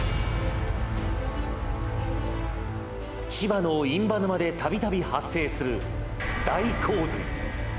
千葉の印旛沼でたびたび発生する大洪水。